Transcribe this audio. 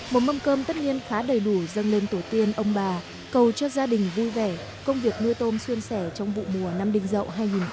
một mâm cơm tất nhiên khá đầy đủ dâng lên tổ tiên ông bà cầu cho gia đình vui vẻ công việc nuôi tôm xuyên xẻ trong vụ mùa năm định dậu hai nghìn một mươi chín